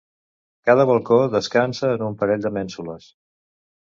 Cada balcó descansa en un parell de mènsules.